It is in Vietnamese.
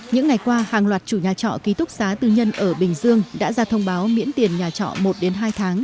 những ngày qua hàng loạt chủ nhà trọ ký túc xá tư nhân ở bình dương đã ra thông báo miễn tiền nhà trọ một hai tháng